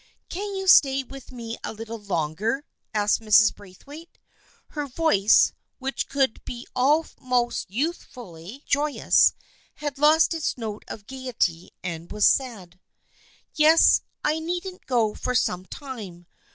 " Can you stay with me a little longer ?" asked Mrs. Braithwaite. Her voice, which could be al most youthfully joyous, had lost its note of gaiety and was sad. " Yes. I needn't go for some time.